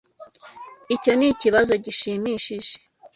Icyo nikibazo gishimishije.